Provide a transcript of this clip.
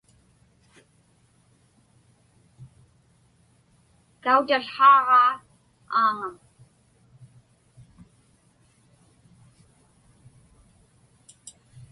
Kautałhaaġa Aaŋam.